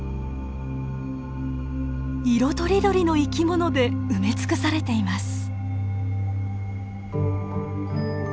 色とりどりの生き物で埋め尽くされています。